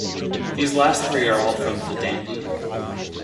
These last three are all from "The Dandy".